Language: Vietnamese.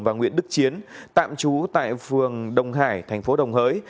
và nguyễn đức chiến tạm trú tại phường đồng hải thành phố đồng hới